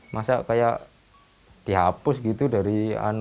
masa dihapus dari